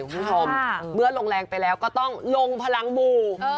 คุณผู้ชมเมื่อลงแรงไปแล้วก็ต้องลงพลังหมู่